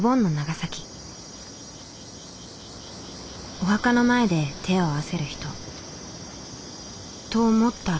お墓の前で手を合わせる人。と思ったら。